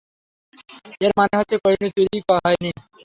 এর মানে হচ্ছে, কোহিনূর চুরিই হয় নি?